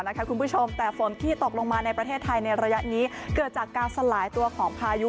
คุณผู้ชมแต่ฝนที่ตกลงมาในประเทศไทยในระยะนี้เกิดจากการสลายตัวของพายุ